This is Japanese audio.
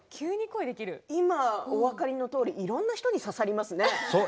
今お分かりのようにいろんな方に刺さりますね。